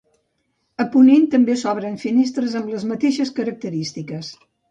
A ponent també s'obren finestres amb les mateixes característiques.